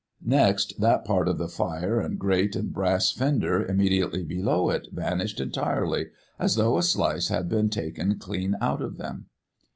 Next, that part of the fire and grate and brass fender immediately below it vanished entirely, as though a slice had been taken clean out of them.